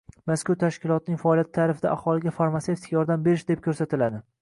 Mazkur tashkilotning faoliyati ta’rifida «aholiga farmatsevtik yordam berish», deb ko‘rsatiladi.